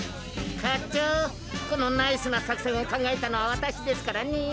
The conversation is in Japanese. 課長このナイスな作戦を考えたのは私ですからね。